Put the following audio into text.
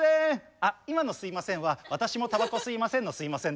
あ今の「すいません」は私もたばこ吸いませんの「すいません」です。